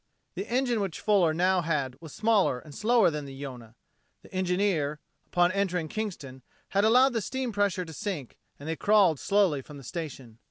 The engine which Fuller now had was smaller and slower than the Yonah. The engineer, upon entering Kingston, had allowed the steam pressure to sink, and they crawled slowly from the station.